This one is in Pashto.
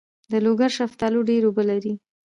د لوګر شفتالو ډیر اوبه لري.